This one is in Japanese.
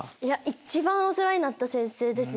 一番お世話になった先生です。